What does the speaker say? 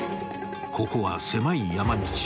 ［ここは狭い山道］